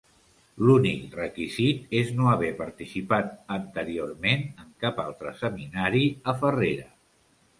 L'únic requisit és no haver participat anteriorment en cap altre seminari a Farrera.